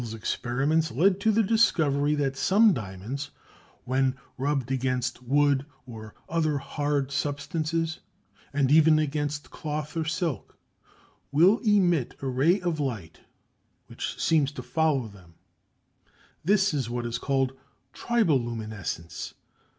] Boyle's experiments led to the discovery that some diamonds, when rubbed against wood or other hard substances, and even against cloth or silk, will emit a ray of light which seems to follow them; this is what is called triboluminescence.